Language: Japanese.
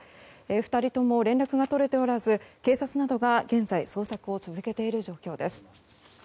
２人とも連絡が取れておらず警察などが現在捜索を続けている状況です。